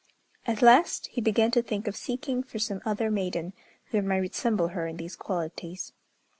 At last he began to think of seeking for some other maiden who might resemble her in these qualities.